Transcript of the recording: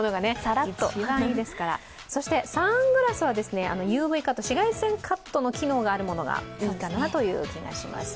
そしてサングラスはＵＶカット、紫外線カットの機能があるものがいいかなという気がします。